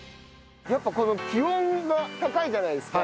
やっぱり気温が高いじゃないですか。